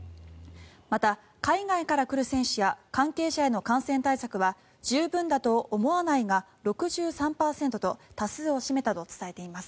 また、海外から来る選手や関係者への感染対策は十分だと思わないが６３％と多数を占めたと伝えています。